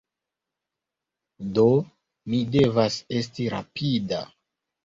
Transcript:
Do, mi devas esti rapida